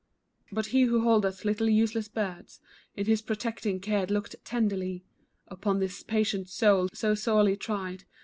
But He who holdeth little useless birds In His protecting care, looked tenderly Upon this patient soul, so sorely tried.